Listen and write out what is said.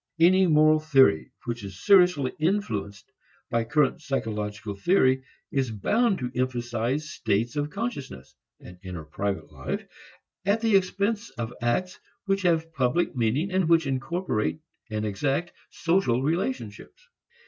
Any moral theory which is seriously influenced by current psychological theory is bound to emphasize states of consciousness, an inner private life, at the expense of acts which have public meaning and which incorporate and exact social relationships.